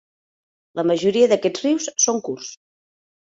La majoria d'aquests rius són curts.